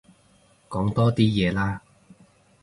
講多啲嘢啦